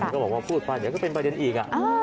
ก็บอกว่าพูดไปเดี๋ยวก็เป็นประเด็นอีก